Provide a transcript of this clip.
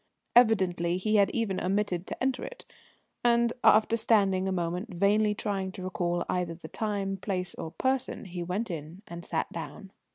Evidently he had even omitted to enter it; and after standing a moment vainly trying to recall either the time, place, or person, he went in and sat down.